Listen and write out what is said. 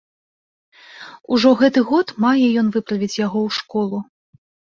Ужо гэты год мае ён выправіць яго ў школу.